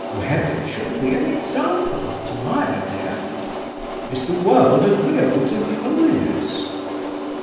"Where it should be an example, to my idea." "Is the world agreeable to holiness?"